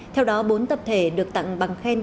theo đó bốn tập thể được tặng bằng khen